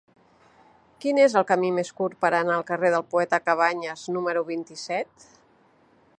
Quin és el camí més curt per anar al carrer del Poeta Cabanyes número vint-i-set?